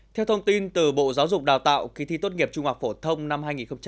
theo thông tin từ bộ giáo dục đào tạo khi thi tốt nghiệp trung học phổ thông năm hai nghìn hai mươi